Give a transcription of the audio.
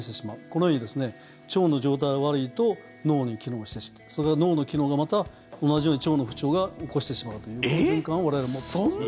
このように腸の状態が悪いと脳に機能してその脳の機能がまた同じように腸の不調を起こしてしまうという循環を我々は持っています。